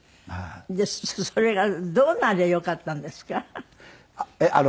でそれがどうなりゃ良かったんですか？